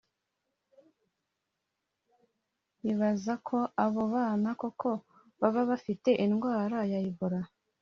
bibaza ko abo bana koko baba bafite indwara ya Ebola